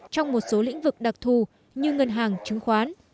trong một số lĩnh vực đặc thù như ngân hàng chứng khoán